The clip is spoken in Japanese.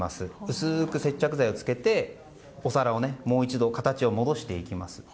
薄く接着剤をつけてお皿をもう一度、形を戻していきます。